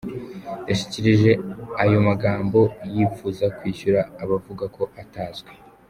Yashikirije ayo majambo yipfuza kwishura abavuga ko atazwi.